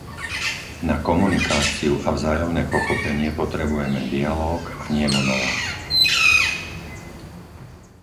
Na komunikáciu a vzájomné pochopenie potrebujeme dialóg a nie monológ.